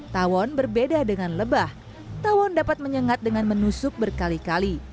tawon berbeda dengan lebah tawon dapat menyengat dengan menusuk berkali kali